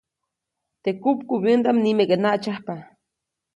Teʼ kupkubyändaʼm nimeke naʼtsyajpa.